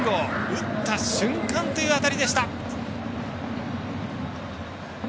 打った瞬間という当たりでした。